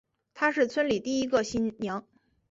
她是村里第一个新娘